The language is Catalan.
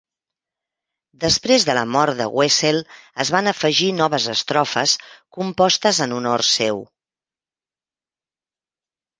Després de la mort de Wessel, es van afegir noves estrofes, compostes en honor seu.